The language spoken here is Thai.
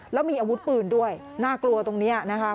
แล้วมีอาวุธปืนด้วยน่ากลัวตรงนี้นะคะ